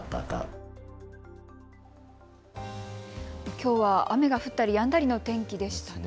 きょうは雨が降ったりやんだりの天気でしたね。